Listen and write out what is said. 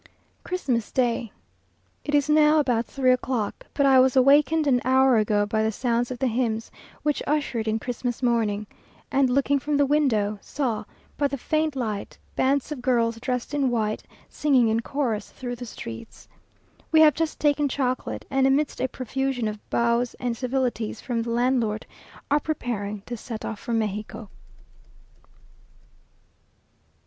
Christmas day. It is now about three o'clock, but I was awakened an hour ago by the sounds of the hymns which ushered in Christmas morning; and looking from the window, saw, by the faint light, bands of girls dressed in white, singing in chorus through the streets. We have just taken chocolate, and, amidst a profusion of bows and civilities from the landlord, are preparing to set off for Mexico.